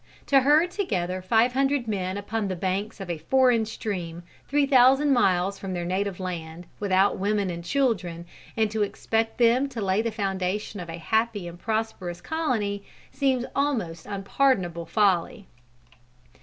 To herd together five hundred men upon the banks of a foreign stream, three thousand miles from their native land, without women and children, and to expect them to lay the foundation of a happy and prosperous colony, seems almost unpardonable folly.